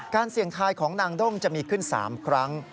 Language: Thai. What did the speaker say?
เสี่ยงทายของนางด้งจะมีขึ้น๓ครั้ง